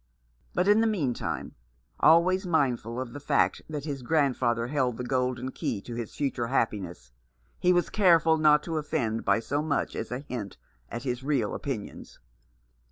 But in the meantime, always mindful of the fact that his grandfather held the golden key to his 344 The Man behind the Mask. future happiness, he was careful not to offend by so much as a hint at his real opinions.